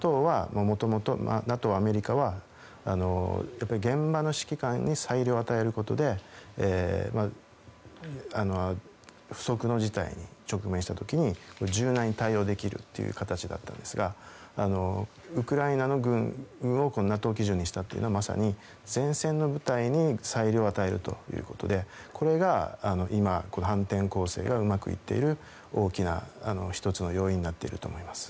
ただ、ＮＡＴＯ、アメリカはもともとやっぱり現場の指揮官に裁量を与えることで不測の事態に直面した時に柔軟に対応できるという形だったんですがウクライナの軍をＮＡＴＯ基準にしたというのはまさに前線の部隊に裁量を与えるということでこれが今反転攻勢がうまくいっている大きな１つの要因になっていると思います。